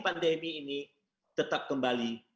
pandemi ini tetap kembali